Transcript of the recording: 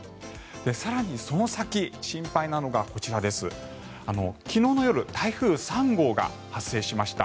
更にその先、心配なのがこちら昨日の夜台風３号が発生しました。